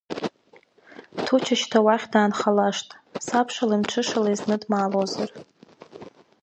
Туча шьҭа уахь даанхалашт, сабшалеи мҽышалеи зны дмаалозар.